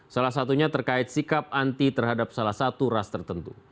salah satunya terkait sikap anti terhadap salah satu ras tertentu